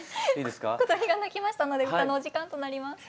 小鳥が鳴きましたので歌のお時間となります。